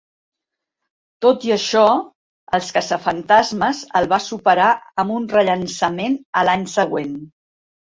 Tot i això, "Els caçafantasmes" el va superar amb un rellançament a l'any següent.